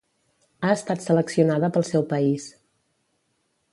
Ha estat seleccionada pel seu país.